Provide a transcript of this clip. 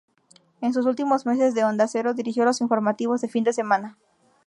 En sus últimos meses en Onda Cero dirigió los informativos de Fin de Semana.